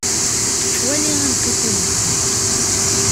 Wali aneqqis-iw n tezmert.